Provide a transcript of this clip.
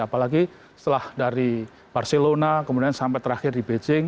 apalagi setelah dari barcelona kemudian sampai terakhir di beijing